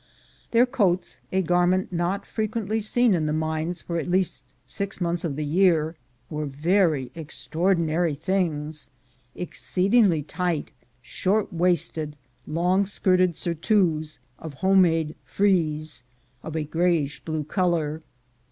Their coats, a garment not frequently seen in the mines for at least six months of the year, were very extraordinary things — exceed ingly tight, short waisted, long skirted surtouts of homemade frieze of a greyish blue color.